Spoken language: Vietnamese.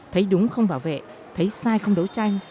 thấy đúng không bảo vệ thấy sai không đấu tranh